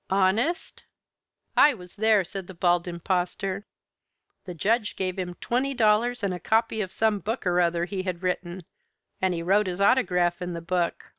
"Honest?" "I was there," said the Bald Impostor. "The Judge gave him twenty dollars and a copy of some book or other he had written, and he wrote his autograph in the book.